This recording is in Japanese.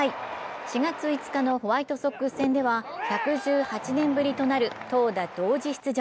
４月５日のホワイトソックス戦では１１８年ぶりとなる投打同時出場。